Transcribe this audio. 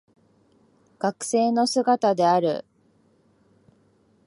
学生の姿である